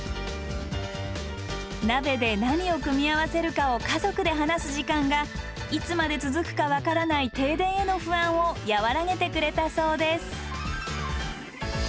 鍋で何を組み合わせるかを家族で話す時間がいつまで続くか分からない停電への不安を和らげてくれたそうです。